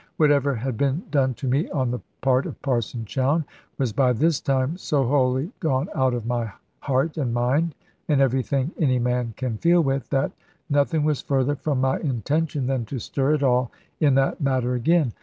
Whatever had been done to me on the part of Parson Chowne, was by this time so wholly gone out of my heart, and mind, and everything any man can feel with, that nothing was further from my intention than to stir at all in that matter again.